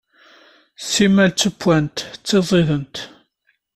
Simmal ttewwant, ttiẓident.